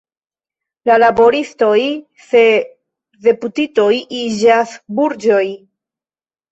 La laboristoj se deputitoj iĝas burĝoj.